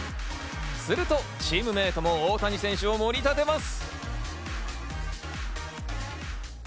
するとチームメートも大谷選手を盛り立てます。